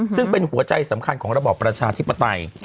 ซึ่งเป็นหัวใจสำคัญของระบอบประชาธิปไตย